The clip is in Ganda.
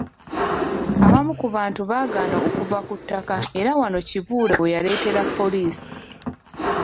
Abamu ku bantu baagaana okuva ku ttaka era wano Kibuule we yaleetera poliisi.